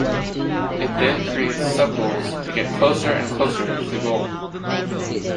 It then created subgoals to get closer and closer to the goal.